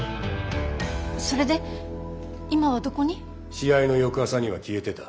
試合の翌朝には消えてた。